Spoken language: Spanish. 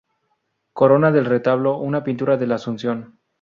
Corona el retablo una pintura de la "Asunción".